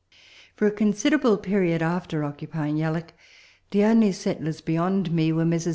For a considerable period after occupying Yalloak, the only settlers beyond me were Messrs.